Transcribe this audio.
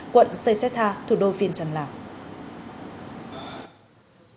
quận sê xét tha thủ đô viên trần lào